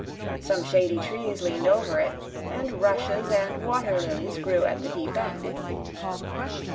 Some shady trees leaned over it, and rushes and water lilies grew at the deep end.